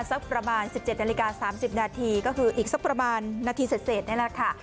สักประมาณ๑๗นาฬิกา๓๐นาทีก็คืออีกสักประมาณนาทีเสร็จนี่แหละค่ะ